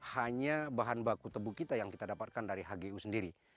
hanya bahan baku tebu kita yang kita dapatkan dari hgu sendiri